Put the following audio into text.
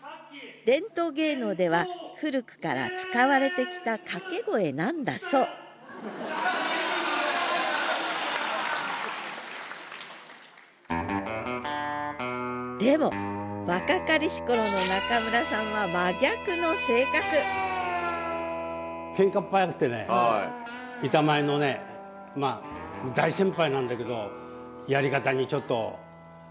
伝統芸能では古くから使われてきたかけ声なんだそうでも若かりし頃の中村さんは板前のねまあ大先輩なんだけどやり方にちょっとおかしいと。